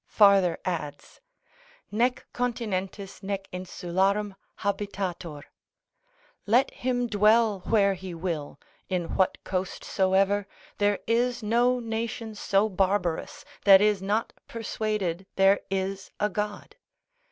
farther adds) nec continentis nec insularum habitator, let him dwell where he will, in what coast soever, there is no nation so barbarous that is not persuaded there is a God.